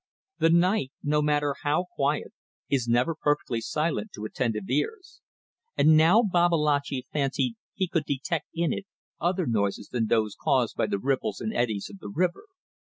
The night, no matter how quiet, is never perfectly silent to attentive ears, and now Babalatchi fancied he could detect in it other noises than those caused by the ripples and eddies of the river.